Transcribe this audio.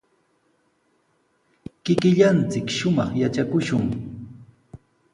Kikillanchik shumaq yatrakushun.